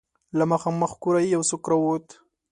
له مخامخ کوره يو څوک را ووت.